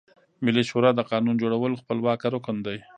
ملي شورا د قانون جوړولو خپلواکه رکن ده.